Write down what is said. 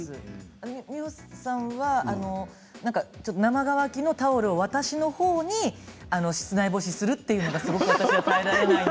美穂さんは、生乾きのタオルを私のほうに向けて室内干しするというのがね。